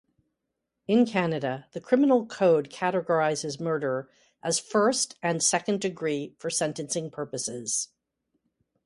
In Canada, the Criminal Code categorises murder as first- and second-degree for sentencing purposes.